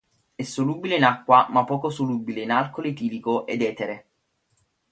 È solubile in acqua ma poco solubile in alcool etilico e etere.